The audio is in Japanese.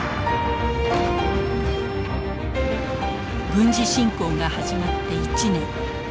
軍事侵攻が始まって１年。